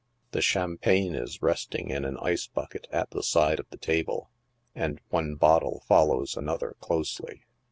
The champagne is resting in an ice bucket at the side of the table, and one bottle follows another closely.